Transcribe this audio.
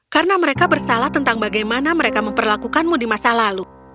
karena mereka bersalah tentang bagaimana mereka memperlakukanmu di masa lalu